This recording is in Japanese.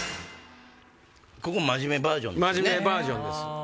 ここ真面目バージョンですね。